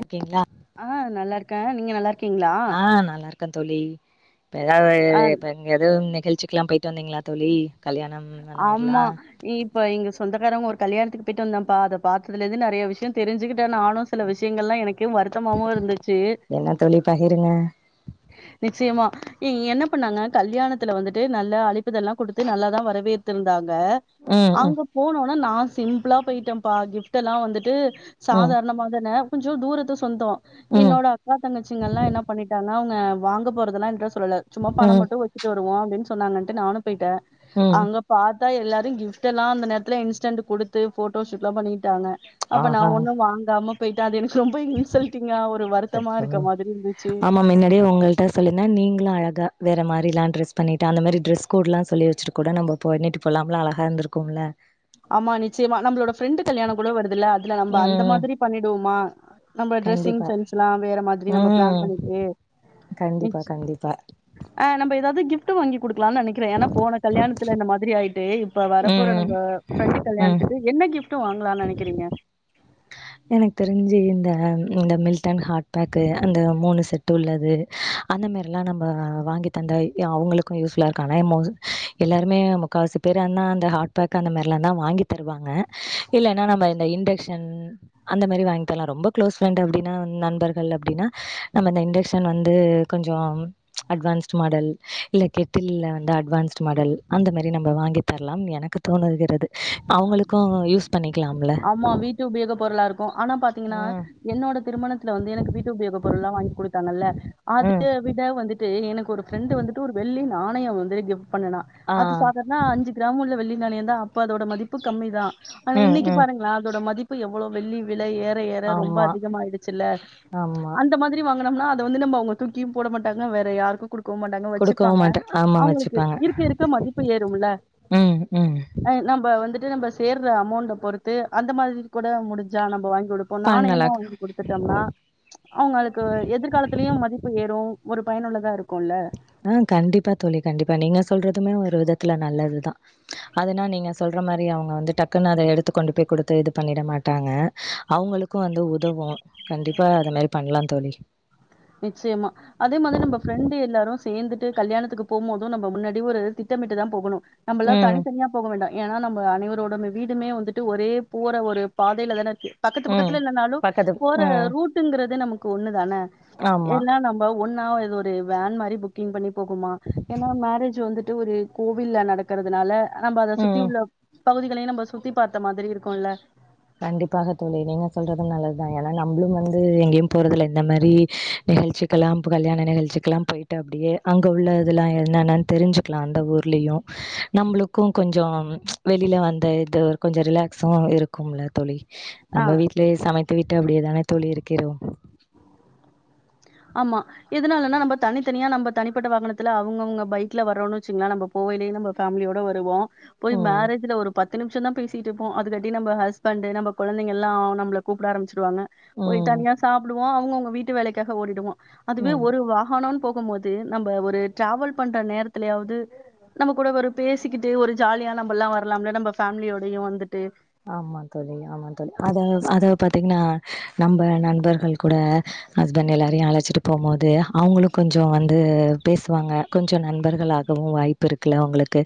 இருக்கீங்களா ஆஹ் நல்லா இருக்கே நீங்க நல்லா இருக் ஆஹ் நல்லா இருக்கே தோழி இப்ப ஆ ஏதாவது இப்ப எதுவும் நிகழ்ச்சிக்குலாம் போயிட்டு வந்தீங்களா தோழி கல்யாணம் அந்த மாரிலா ஆமா இப்ப இங்க சொந்தக்காரவுங்க ஒரு கல்யாணத்துக்கு போய்டு வந்தேப்பா அத பாத்ததுல இருந்து நெறைய விஷ்யோ தெரிஞ்சுக் டே நானு சில விஷயங்கள்லா எனக்கே வருத்தமாவு இருந்துச்சு என்ன தோழி பகிருங்க உஹ நிச்சயமா என்ன பண்ணாங்க கல்யாணத்துல வந்துட்டு நல்ல அழைப்பிதல்லா குடுத்து நல்லாதா வரவேற்திருந்தாங்க ம் இப்பே ம் அங்க போனோனா நா சிம்பிளா போய்டேபா கிஃப்ட் எல்லா வந்துட்டு ம் சாதாரணமாதானே கொஞ்சோ தூரத்து சொந்தோ ம் என்னோட அக்கா தங்கச்சிங்கெல்லா என்ன பண்ணிட்டாங்க அவங்க வாங்க போறதெலா என்ட சொல்லல சும்மா பணம் ம் மட்டு வச்சிட்டு வருவோ அப்டின்னு சொன்னாங்கன்டு நானு போய்டே ம் அங்க பாத் தா எல்லாரு கிஃப்டலா அந்த நேரத்துல இன்ஸ்டென்ட் குடுத்து போட்டோ ஷூட்லா பண்ணிட்டாங்க அப்ப நா ஆஹா ஒண்ணு வாங்கமா போய்டே அது எனக் ரொம்ப இன்சல்ட்டிங்கா ஒரு வருத்தமா இருக்க மாதிரி இருந்துச்சு உங்களட்ட சொல்லிருந்தா நீங்களு அழக வேற மாரில டிரஸ் பண்ணிட்டு அந்த மாரி டிரஸ் கோடெல்லா சொல்லி வச்சுட்டு கூட நம்ம போ பண்ணிட்டு போலாம்ல அழக இருந்திருக்கும்ல ஆமா நிச்சயமா நம்ளோட ஃப்ரெண்ட் கல்யாணம் கூட வருதுல்ல அதுல நம்ம அந்த ம் மாரி பண்ணிடுவோமா நம்ம டிரெஸ்ஸிங் கண்டிப்பா சென்ஸ்லா வேற மாதிரி நம்ம பிளான் ம் பண்ணிட்டு கண்டிப்பா நிச் கண்டிப்பா ஆஹ் நம்ப எதாவது கிஃப் பட்டு வாங்கி குடுக்கலானு நெனைக்கிறே ஏனா போன கல்யாணத்துல இந்த மாதிரி ஆயிட்டு இப்ப வரப்போற ம் நம்ப ஃப்ரெண்டு் ம் கல்யாணத்துக்கு என்ன கிஃப்டு வாங்கலான்னு நெனைக்கிறீங்க எனக்கு தெரிஞ்சு இந்த இந்த மில்டன் ஹாட்பேக்கு அந்த மூணு செட் உள்ளது அந்த மாரிலா நம்ம வாங்கி தந்த அவங்களுக்கு யூஸ்ஃபுல்லா இருக்கு ஆனயுபோது எல்லாருமே முக்காவாசிப் பேரு அண்ணா அந்த ஹாட்பேக் அந்த மாரிலா தா வாங்கி தருவாங்க இல்லன்னா நம்ம இந்த இண்டக்ஷன் அந்த மாரி வாங்கி தரலா ரொம்ப க்ளோஸ் ஃப்ரெண்ட் அப்டின்னா நண்பர்கள் அப்டின்னா நம்ம இந்த இண்டக்ஷன் வந்து கொஞ்சோ அட்வான்ஸ்டு மாடல் இல்ல கெட்டில்ல வந்து அட்வான்ஸ்டு மாடல் அந்த மாரி நம்ப வாங்கி தரலா எனக்கு தோணுகிறது அவுங்களுக்கு யூஸ் பண்ணிக்கலாம்ல. ஆமா வீட்டு உபயோகப் பொருளா இருக் கு ஆனா பாத்தீங்கன்னா ம், என்னோட திருமணத்துல வந்து எனக்கு வீட்டு உபயோக பொருள்ல்லா வாங்கி குடுத்தாங்கல்ல அது ம். விட வந்துட்டு எனக்கு ஒரு ஃப்ரெண்ட் வந்துட்டு ஒரு வெள்ளி நாணயோ வந்து கிப்ட் பண்ணுனா ஆ அது சாதாரண அஞ்சி கிராம் உள்ள வெள்ளி நாணயந்தா அப்ப அதோட மதிப்பு கம்மி தா ஆனா ம் இன்னக்கி ம் பாருங்களே அதோட மதிப்பு எவ்ளோ வெள்ளி விலை ஏற ஏற ரொம்ப ஆமா அதிகமாயிடுச்சில்ல ஆமா அந்த மாதிரி வாங் குனம்னா அத வந்து நம்ம அவுங்க தூக்கியு போட மாட்டாங்க வேற யாருக்கு குடுக் கவு மாட்டாங்க குடுக்கவு வச்சிப்பாங்க மாட்ட ஆமா அவுங்களுக்கு வச்சுப்பாங்க இருக்க இருக்க மதிப்பு ஏறுமுல்ல ம் ம் ஆ நம்ப வந்துட் நம்ப சேர்ற அமௌண்ட பொறுத்து அந்த மாதிரி கூட முடிஞ்சா நம்ப வாங்கி கொடுப்போ பண்ணலா நாணயமா வந்து கொடுத்துட்டோம்னா அவுங்களுக்கு எதிர்காலத்திலயு மதிப்பு ஏறு ஒரு பயனுள்ளதா இருக்கு ஆ கண்டிப்பா தோழி கண்டிப்பா நீங்க சொல்றதுமே ஒரு விதத் துல நல்லதுதா அதுனா நீங்க சொல்ற மாரி அவங்க வந்து டக்குன்னு அத எடுத்து கொண்டு போய் குடுத்து இது பண்ணிட மாட் டாங்க அவுங்களுக்கு வந்து உதவு கண்டிப்பா அத மாரி பண்ணலா தோழி நிச்சயமா அதே மாதிரி நம்ப ஃப்ரெண்டு எல்லாரு சேந்துட்டு கல்யாணத்துக்கு போம் போது நம்ம முன்னாடி ஒரு திட்ட திட்டமிட்டுதா போகணு நம்பளா ம் தனித்தனியா போக வேண்டா ஏன்னா நம்ம அனைவரோட வீடுமே வந்துட்டு ஒரே போற ஒரு பாதேல தான பக்கத்து ம் பக்கத்துல இல்லனாலு பக்கத்து போற ம் ரூட்டுங்கிறது நமக்கு ஒண்ணுதான ஆமா ஏன்னா நம்ப ஒன்னா இது ஒரு வேன் மாரி புக்கிங் பண்ணி போகுமா ஏன்னா மேரேஜ் வந்துட் ஒரு கோவில்ல நடக்குறதுனால நம்ப அத ம் சுத்தி உள்ள பகுதிகளையு நம்ப சுத்தி பாத்த மாதிரி இருக்குல்ல கண்டிப்பாக தோழி நீங்க சொல்றது நல்லதுதா ஏன்னா நம்பளு வந்து எங்கேயு போறது இல்ல இந்த மாரி நிகழ்ச்சிக்கெல்லாம் இப்ப கல்யாண நிகழ்ச்சிக்கெல்லா போயி்ட்டு அப்டியே அங்க உள்ள இதெல்லா என்ன என்னன்னு தெரிஞ்சுக்கலா அந்த ஊர்லயு நம்பளுக்கு கொஞ்சோ வெளில வந்த இது கொஞ்ச ரிலாக்ஸா இருக் கும்ல தோழி ஆ நம்ம வீட்லயே சமை த்து விட்டு அப்டியேதானே தோழி இருக்கிறோ ஆமா எதுனாலன்னா நம்ப தனித்தனியா நம்ப தனிப்பட்ட வாகனத்துல அவுங்கவுங்க பைக்ல வரோன்னு வச்சுங்ளே நம்ம போ யினே நம்ம ஃபேமலியோட வருவோ போய் ம் மேரேஜ்ல ஒரு பத்து நிமிஷந்தா பேசிட்டுருப்போ அது கட்டி நம்ப ஹஸ்பண்ட் நம்ப குழந்தைங்க எல்லா நம்பள கூப்ட ஆரம்பிச் சிரு வாங்க போய் ம் தனியா சாப்டுவோ அவுங்க அவுங்க வீட்டு வேலைக்காக ஓடிடுவோ அதுவே ம். ஒரு வாகனோன் போகும் போது நம்ப ஒரு டிராவல் பண்ற நேரத்துலயாவது நம்ம கூட ஒரு பேசிக்கிட்டு ஒரு ஜாலியா நம்பல்லா வரலாம்ல நம்ப ஃபேமிலியோடையு வந்துட்டு ஆமா தோழி ஆமா தோழி அத அத பாத்தீங்கன்னா நம்ப நண்பர்கள் கூட ஹஸ்பண்ட் எல்லாரையு அழச்சிட்டு போம்போது அவுங்களு கொஞ்சோ வந்து பேசுவாங்க கொஞ்சோ நண்பர்கள் ஆ கவு வாய்ப்பு இருக்குல்ல உங்களுக்கு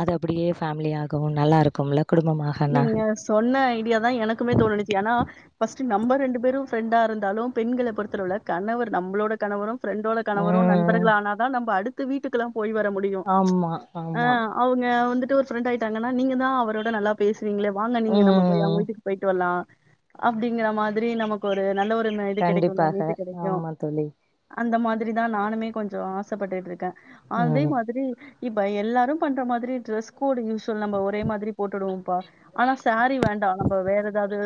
அது அப்டியே ஃபேமிலியாகவு நல்லா இருக்கும்ல குடும்பமாகன்னா நீங்க சொன்ன ஐடியா தா எனக்குமே தோணுனுச்சி ஆனா ஃபர்ஸ்ட் நம்ம ரெண்டு பேரு ஃப்ரெண்ட்டா இருந்தாலு பெண்கள பொறுத்த அளவுல கணவர் நம்ளோட கணவரு ஃப்ரெண்ட்டோட கணவரு ம் நண்பர்கள் ஆன தா நம்ப அடுத்து வீட்டுக்குல்லா போய் வர முடியு ஆமா ஆ ஆமா அவுங்க வந்துட்டு ஒரு ஃப்ரெண்ட் ஆயிட்டாங்கன்னா நீங்க தா அவரோட நல்லா பேசு வீங்களே வாங்க நீங்க நம்ப போய் ம் அவுங்க வீட்டுக்கு போய்ட்டு வரலா அப்டிங்கிற மாதிரி நமக்கு ஒரு நல்ல ஒரு மெய்ட் கெடைக்கும்ல கண்டிப்பாக நீீட்டு கெடைக்கு ஆமா தோழி அந்த மாதிரி திரி தா நானுமே கொஞ்சோ ஆசப்பட்டுட்டு இருக்கே அதே ம் மாதிரி இப்ப எல்லாரு பண்ற மாதிரி டிரஸ் கோடு யூஸ்வல் நம்ப ஒரே மாதிரி போட்டுடுவோம்ப்பா ஆனா சேரீ வேண்டா நம்ப வேற ஏதாவது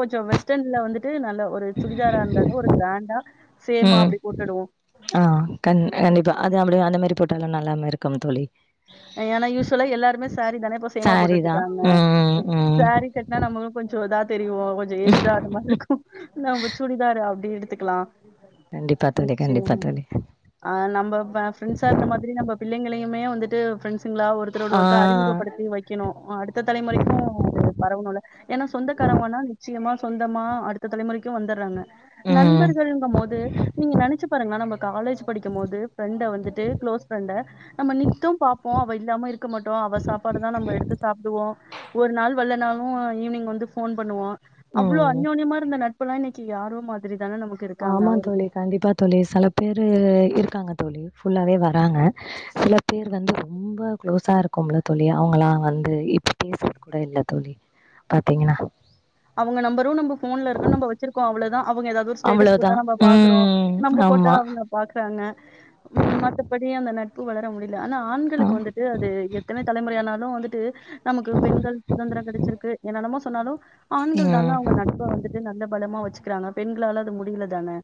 கொஞ்சோ வெஸ்டன்ல வந்துட் டு நல்ல ஒரு சுடிதாரா இருந்தாலு ஒரு கிராண்டா சேமா ம் அப்டி போட்டுடுவோ ஆ கண் கண்டிப்பா அது அப்டிதா அந்த மாரி போட்டாலு நல்லாம் இருக்கும் தோழி ஏனா யூஸ்வலா எல்லாருமே சேரீ தானே இப்ப சேமா சாரிதா போட்டுட்ருக்காங்க ம் ம் சேரீ கட்னா நம்பளு கொஞ்சோ இதா தெரிவோ கொஞ்சோ ஏஜிடா ஆன மாரி இருக்கு நம்ப சுடிதாரு அப்டி எடுத்துக்கலா கண்டிப்பா தோழி கண்டிப்பா நிச்சயம் தோழி ஆ நம்ப ஃப்ரெண்ட்ஸா இருந்த மாதிரி நம்ப பிள்ளைங்களையு மே வந்துட்டு ஃப்ரெண்ட் ஸுங்களா ஒருத்தோட ஆ ஒருத்த அறிமுகப்படுத்தி வைக்கனு அடுத்த தலைமுறைக்கு அது பரவுனுல ஏனா சொந்தக்கா ரவங்கனா நிச்சியமா சொந்தமா அடுத்த தலைமுறைக்கு வந்தர்றாங்க ம் நண்பர்கள்ங்கும் போது நீங்க நெனச்சி பாருங்களே நம்ப கா லேஸ் படிக்கம்போது ஃபிரண்ட வந்துட்டு குளோஸ் ஃபிரண்ட நம்ப நித்து பாப்போ அவ இல்லாம இரு க்க மட்டு அவ சாப்பாடுதா நம்ப எடுத்து சாப்டுவோ ஒரு நாள் வல்ல நாளு ஈவினிங் வந்து ஃபோன் பண்ணுவோ அவ்ளோ ம் அன்னோனியம்மா இருந்த நட்பலா இன்னிக்கு யாரோ மாதிரி தான நமக்கு இருக்காங்க ஆமா தோழி கண்டிப்பா தோழி செல பேரு இருக்காங்க தோழி ஃபுல்லாவே வராங்க சில பேர் வந்து ரொம்ப குளோஸா இருக்கோம்ல புது புது அவங்களா வந் இப்ப பேசுறது கூட இல்ல தோழி பாத்தீங்ன்னா அவங்க நம்பரு நம்ப ஃபோன்ல இருக்குனு நம்ப வச்சிருக்கோ அவ்ளோதா அவங்க எதாது ஒரு ஸ்டேட்டஸ் அவ்ளோதா போட்டா நம்ப பாக்றோ ம் நம்ப போட்டா ஆமா அவங்க பாக்றாங்க மத்தபடி அந்த நட் பு வளர முடிய ஆனா ஆ ஆண்களுக்கு வந்துட்டு அது எத்தனை தலைமுறை ஆானாலு வந்துட்டு நமக்கு பெண்கள் சுதந்திரோ கெடச்சிருக்கு து என்னென்னமோ சொன்னாலு ஆண்கள் தாங்க ம் அவங்க நட்ப வந்துட்டு நல்ல பலமா வச்சுக்கிறாங்க பெண்களால அது முடில தானே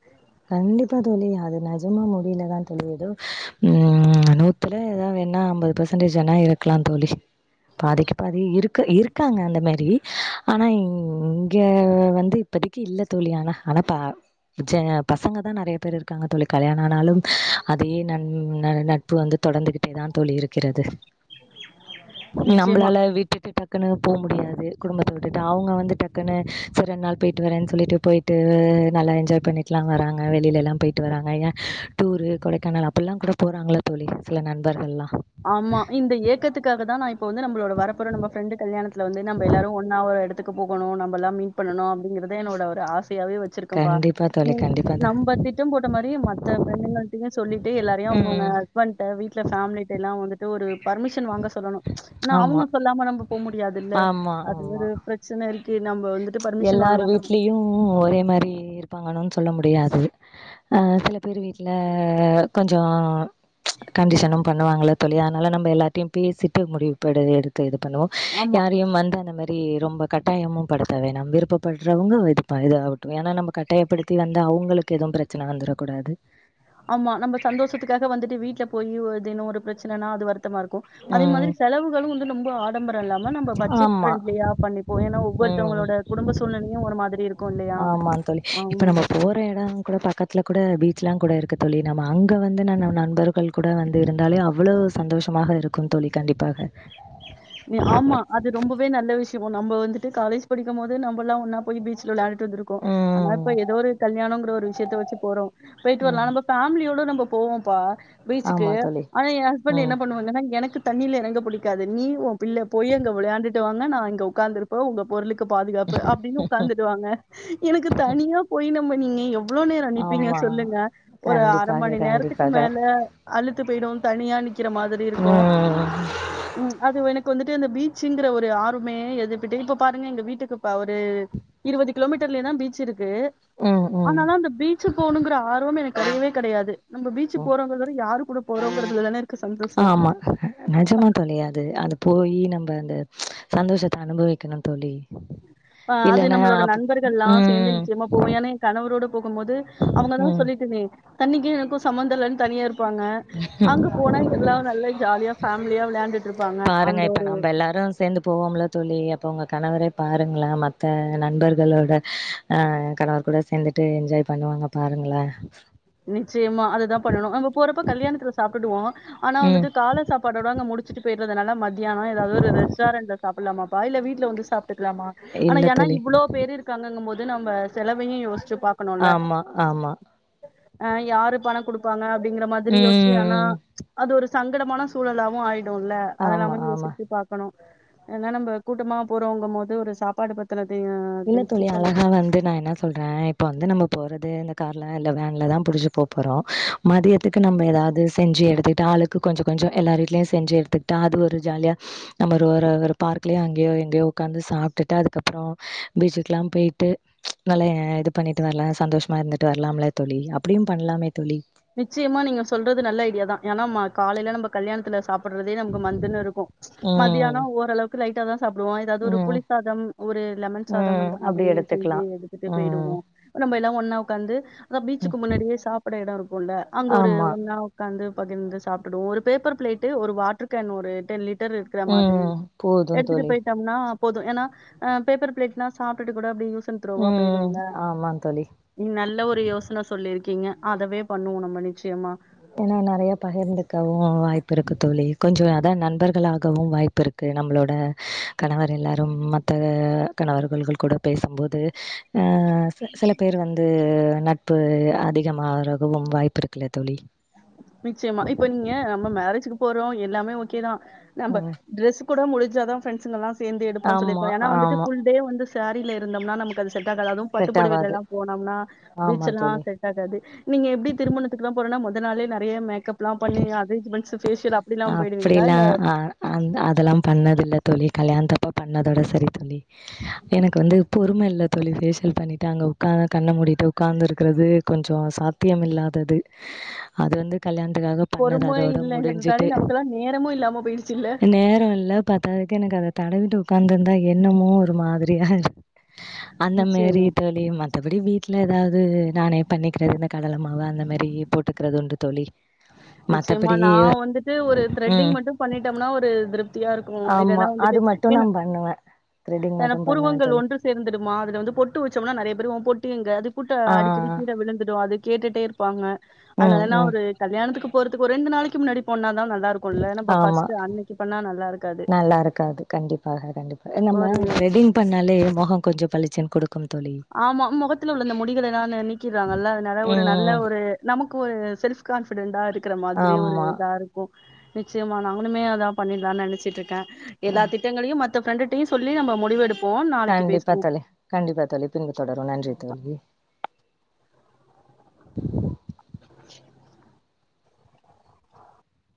கண்டிப்பா தோழி அது நெஜமா முடியலதா தோழி எதோ ம் நூத்துல எதா என்னா அம்பது பர்சன்டேஜ் வேனா இருக்கலா தோழி பாதிக்கு பாதி இருக்க இருக்காங்க அந்த மாரி ஆனா இங்க வந்து இப் பதிக்கு இல்ல தோழி ஆனா ஆனா பா ஜ பசங்க தா நெறையா பேர் இருக்காங்க தோழி கல்யாணோ ஆனாலும் அதே நன் நட்பு வந்து தொடந்துகிட்டே தா தோழி இருக்கிறது நிச்சயமா. நம்பளால விட்டுட்டு டக் குனு போ முடியாது குடும்பத்த விட்டுட்டு அவங்க வந்து டக்குன்னு சரி ரெண் நாள் பொய்ட்டு வரேன்னு சொல்லிட்டு பொய்ட்டு நல்லா என்ஜாய் பண்ணிட் லா வராங்க வெளியிலலா பொயிட்டு வராங்க ஏ டூரு கொடைக்கானல் அப்ட்லா குட போறாங்கள தோழி சில நண்பர்கள்லா ஆமா இந்த ஏக்கத்துக்காக தா நா இப்ப வந்து நம்பளோட வரப்போற நம்ப ஃப்ரெண்டு கல்யாணத் துல வந்து நம்ப எல்லாரு ஒன்னா ஒரு எடத்துக்கு போகனு நம்பலா மீட் பண்ணனு அப்டிங்கறதே என்னோட ஒரு ஆச யாவே வச்சிருக்கேபா கண்டிப்பா தோழி நீங்க கண்டிப்பா தோ நம்ப திட்டம் போட்ட மாரி மத்த பெண்ணுகள்டயு சொல்லிட்டு எல்லாரையு அவுங்கவுங்க ம் ஹஸ்பண்ட்ட வீட்ல ஃபேமிலி டலா வந்துட்டு ஒரு பர்மிஷன் வாங்க சொல்லனு ஏனா ஆமா அவங்க சொல்லாம நம்ப போ முடியாதுல்ல ஆமா அது ஆமா ஒரு பிரச்சன இருக்கு நம்ப வந் எல்லார் வீட்லியு ஒரே மாரி இருப்பாங்கனு சொல்ல முடியாது சில பேர் வீட்ல கொஞ்சோ கண்டிஷனு பணா பன்னுவாங்கல தோழி அதனால நம்ப எல்லார்டியு பேசிட்டு முடிவு படு எடுத்து இது பண்ணுவோ ஆமா. யாரையும் வந்த அந்த மாரி ரொம்ப கட்டாயமும் படு த்து வேனா விருப்பப்பட்றவங்க இது இத ஆவுட்டு ஏனா நம்ப கட்டாயப்படுத்தி வந்து அவுங்களுக்கு எதுவு பிரச்சன வந்தரக்கூ டாது ஆமா நம்ப சந்தோஷத்துக்காக வந்துட்டு வீட்ல போயி தினோ ஒரு பிரச்சனனா அது வருத்தமா இரு க்கு அதே ம் மாதிரி செலவுகளு வந்து ரொம்ப ஆடம்பரோ இல்லாம நம்ப பட்ஜெட் ஆமா ஃப்ரெண்ட்லியா பண்ணிபோ ஏனா ஒவ்வொர்த்தவங்களோட குடும்ப சூழ்நிலையு ஒரு மாதிரி இருக் ஆமாங் தோழி இப்ப நம்ப போற எடங் கூட பக்கத்துல கூட பீச்லா கூட இருக்கு தோழி நம்ப அங்க வந்து ந நண்பர்கள் கூட வந்து இருந்தாலே அவ்வளவு சந்தோஷோ மாக இருக்குன் தோழி கண்டிப்பாக ஆமா அது ரொம்பவே நல்ல விஷ்யோ நம்ப வந்துட்டு காலேஜ் படிக்குமோது நம்பல்லா ஒன்னா போய் பீச்சுல விள்யாண் டுந்திருக்கோ ஆனா இப்ப ம் எதோ ஒரு கல்யாணொங்கிற ஒரு விஷ்யத்த வெச்சுப் போறோ போய்ட்டு வரலா ம். நம்ப ஃபேம்லியோட நம்ப போவோம்ப்பா பீச்சுக்கு ஆமா தோழி. ஆனா எ ஹஸ்பண்டு என்ன ம். பண்ணுவாங்கன்னா எனக்கு தண்ணில எறங்க புடிக்காது நீ உ பிள்ள போயி அங்க விளையான்டுட்டு வாங்க நா இங்க உக்காந்திருப்போ உங்க பொருளு க்கு பாதுகாப்பு அப்டினு உக்காந்துடுவாங்க எனக்கு தனியா போய் நம்ம நீங்க எ வ்ளோ நேரோ நிப்பீங்க ஆமா. சொல்லுங்க ஒரு அர கண்டிப்பாக மணி நேரத்துக்கு கண்டிப்பாக. மேல அளு த்து போய்டு தனியா நிக்கிற மாதிரி இருக்கு ம் ம் அதுவ் எ க்கு வந்துட்டு இந்த பீச்சுங்கிற ஒரு ஆர்வமே எது இப் டெய் இப்ப பாருங்க எங்க வீட்டுக்கு ப ஒரு இருவது கிலோமீட் டர்லே தா பீச் இருக்கு ம் ம். ஆனாலு அந்த பீச்சு போணுங்கிற ஆர்வமே எனக்கு கெடையவே கெடையாது நம்போ பீச்சு போறோங்ற்தொட யாரு கூட போறங்கறதுலதான இ அ ஆமா நெஜோந்தா தோழி அது போயி நம்ப அந்த சந்தோஷத்த அனுபவிக்கணு தோழி உம் அ அது இல்லன்னா நம்பளோட அப் நண்பர்கள் எல்லா சேந்து ம் நிச்சியமா போவோ ஏனா எ கணவரோடு போகும் போது அவுங்கதா ம். சொல்லிட்டேனே தண்ணிக்கு எனக்கு சம்மந்தில்லனு தனியா இரு ப்பாங்க அங்க போனா எல்லாரு நல்லா ஜாலியா ஃபேம்லியா விளையாண்டுட்ருப்பாங்க அந்த ஒரு ல்லா சேந்து போவோம்ல தோழி அப்ப உங்க கணவர பாருங்கள மத்த நண்பர்களோட அ கணவர் கூட சேந்துட்டு என்ஜாய் பண்ணுவாங்க பாரு ங்களே நிச்சியமா அதுதா பண்ணணு நம்போ போறப்போ கல்யாணத்துல சாப்டுடுவோ ஆனா ம் வந்துட்டு கால சாப்பாடோட அங்க முடிச்சுட்டு போய்றதனால மத்தியானோ எதாவ்தொரு ரெஸ்டாரண்ட்ல சாப்புல்லாமா பா இல்ல வீட்ல வந்து சாப்ட்டுக்லாமா ஆனா இல்ல ஏனா தோழி இவ்வுளோ பேரு இருக்காங்கங்கும் போது நம்ப செலவையு யோஸ்ச்சு ஆமா ஆமா அ யாரு பண குடுப்பாங்க அப்டிங்கிற மாதிரி யோஸ்ச்சு ஆனா ம் அது ஒரு சங்கடமான சூழலாவு ஆய் டுல ஆமா அதெல்லாம ஆமா யோசிச்சு பாக்கணு ஏனா நம்ப கூட்டமா போறோங்கமோது ஒரு சாப்பாடு பத்தன இல்ல தோழி அழகா வந்து நா என்ன சொல்றே இப்ப வந்து நம்ம போறத் ரு இந்த கார்ல இல்ல வேன்ல தா புடிச்சு போ போறோ மதியத்துக்கு நம்ம எதாவ்து செஞ்சு எடுத்துட்டா ஆளுக்கு கொஞ்சு கொஞ்சோ எல்லார் வீட்லயு செஞ்சு எடுத்துட்டா அது ஒரு ஜாலியா நம்ம ஒரு ஒரு ஒரு பார்க்லேயோ அங்கயோ எங்கயோ வந்து சாப்டுட்டு அதுக்கப்றோ பீச்சுக்குல்லா போய்ட்டு நல்லா இது பண்ணிட்டு வர்லா சந்தோஷ்மா இருந்துட்டு வரலாம்ல தோழி அப்புடியு பண்லாமே தோழி நிச்சியமா நீங்க சொல்றது நல்ல ஐடியா தா ஏன்னா மா காலைல நம்ப கல்யாண்த்துல சாப் போடுறதே நம்க்கு மந்துன் இருக்கு ம். மதியானோ ஓரளவுக்கு லைட்டா தா சாப்டுவோ எதாவ்து ஒரு ம். புளி சாதம் ஒரு லெமன் சாதம் ம். அந்த அப்டி மாதிரி செஞ்சு எடுத்துக்கலாம். எடுத்துட்டு ம். போய்டுவோ நம்ப எல்லா ஒன்னா உக்காந்து அதா பீச்சுக்கு முன்னாடியே சாப்பிட எடோ இருக்குல அங்க ஒரு ஆமா. ஒன்னா உக்காந்து பகிர்ந்து சாப்ட்டுடுவோ ஒரு பேப்பர் ப்ளேட்டு ஒரு வாட்ரு கேன் ஒரு டென் லிட் ட்ரு இருக்கற ம். மாதிரி போதும் எடுத்துட்டு தோழி. போய்ட்டோம்னா போது ஏன்னா அ பேப்பரு ப்ளேட்னா சாப்டுட்டு கூட அப்டே யூ சன் த்ரோவா ம். போய்டுல ஆமா தோழி. நீ நல்ல ஒ ரு யோசன சொல்லிருக்கீங்க அதவே பண்ணுவோ நம்ம நிச்சியமா ஏனா நெறய பகிர்ந்துக்கவு வாய் ப்பிருக்கு தோழி கொஞ்சு அதா நண்பர்களாகவு வாய்ப்பு இருக்கு நம்ப்ளோட கணவர் எல்லாரு மத் த கணவர்கள்கள் கூட பேசும்போது அ ச சில பேரு வந்து நட்பு அதிகமாவுறதும் வாய்ப்பு இருக்குல்ல தோழி நிச்சயமா இப்ப நீங்க நம்ம மேரேஜிக்கு போறோ எல்லாமே ஓக்கேதா நம்ப ம். ட்ரெஸ் கூட முடிஞ்சாதா ப்ரெண்ட்ஸுங்கள்ளா சேந்து எடுப்போன் ஆமா, சொல்லிருக்கோ ஏனா வந்துட்டு ஆமா. ஃபுல் டேவு வந்து சேரில இருந்தம்னா நமக்கு அது செட்டாகாது அதுவு பட்டு செட் ஆவாது. பொடவைளெல்லா போனம்னா ஆமா பீச்செல்லா தோழி. செட்டாகாது நீங்க எப்டி திருமணத்துக்லா போரோனா மொ த நாளே நெறய மேக்கப்லாம் பண்ணி அரேஞ்சுமெண்ஸு அப்டிலா அ ஆ அதெல்லா பண்ணது இல்ல தோழி கல்யாணத் தப்ப பண்ணதோட சரி தோழி எனக்கு வந்து பொறும இல்ல தோழி பேஷியல் பண்ணிட்டு அங்க உட்காந் கண்ண மூடிட்டு உட்கார்ந்து இருக்றது கொஞ்ச சாத்தியம் இல்லாதது அது வந்து கல்யாண துக்காக பண்ணது அதோட முடிஞ்சி நமக்கெலா நேரமு இல்லாம போயிடுச்சு இல்ல பத்தா ததுக்கு எனக்கு அத தடவிட்டு உட்காந்துருந்தா என்னமோ ஒரு மாதிரியா அந்த மாரி நிச்சயமா, தோழி மத்தபடி வீட்ல ஏதாவது நானே பண்ணிக்கிறது கடல மாவு அந்த மாரி போட்டுக்றது உண்டு தோழி நிச்சயமா மத்தபடி நா வந்துட்டு ஒரு த்ரெட்டிங் ம். மட்டு பண்ணிட்டோம்னா ஒரு திருப்தியா கு ஆமா இதெல்லா அது வந்துட்டு மட்டு நா பண்ணுவே த்ரெடிங் ஏனா மட்டு பண்ணுவே புருவங்கள் தோழி ஒன்று சேர்ந்துடுமா அதுல வந்து பொட்டு வச்சோம்னா நிறைய பேரு ஒம் பொட்டு எங்க அது கூட்ட ஆ அடிக்கடி கீழ விழுந்துடு அது கேட்டுட்டே இருப்பாங்க ம் அதனால ம் ஒரு கல்யாணத்துக்கு போறத்துக்கு ஒரு ரெண்டு நாளைக்கு முன்னாடி போனா தா நல்லா இருக்கும்ல. நம்ம ஆமா ஃபர்ஸ்ட் அன்னைக்கு பண்ணா நல்லா இருக்காது. நல்லா இருக்காது கண்டிப்பாக கண்டிப்பா நம்ம ஒரு த்ரெட்டிங் பண்ணாலே முகம் கொஞ்ச பளிச்சின்னு கொடுக் ஆமா மொகத்துல உள்ள இந்த முடிகலெல்லா நீக்கிடுறாங்கல்ல அதனால ஒரு நல்ல ம் ஒரு நமக்கு ஒரு செல் கான்பிடெண்டடா இருக்கற மாதிரி ஒரு ஆமா இதா இருக்கு நிச்சயமா நாங்களுமே அதா பண்ணிலானு நெனைச்சிட்டு இருக்கே ஆ எல்லா திட்டங்களையும் மத் த ஃப்ரெண்டுடையு சொல்லி நம்ம முடிவு எடு கண்டிப்பா தோழி கண்டிப்பா தோழி பின்பு தொடரும் நன்றி தோழி [unintelligible]